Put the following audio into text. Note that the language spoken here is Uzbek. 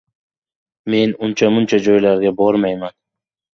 Men uncha-muncha joylarga bormayman!